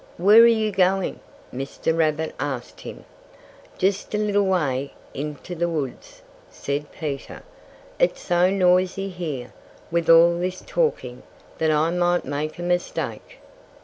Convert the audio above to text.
"Where are you going?" Mr. Rabbit asked him. "Just a little way into the woods," said Peter. "It's so noisy here, with all this talking, that I might make a mistake."